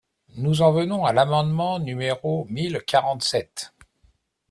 Nous en venons à l’amendement numéro mille quarante-sept.